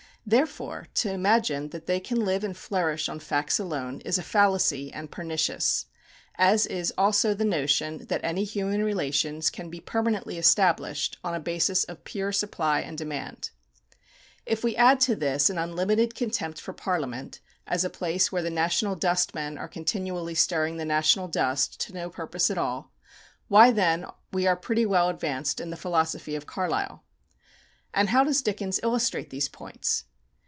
Therefore, to imagine that they can live and flourish on facts alone is a fallacy and pernicious; as is also the notion that any human relations can be permanently established on a basis of pure supply and demand. If we add to this an unlimited contempt for Parliament, as a place where the national dustmen are continually stirring the national dust to no purpose at all, why then we are pretty well advanced in the philosophy of Carlyle. And how does Dickens illustrate these points?